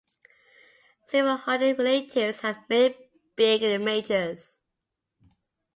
Several Hundly relatives have made it big in the majors.